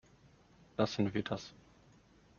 Lassen wir das.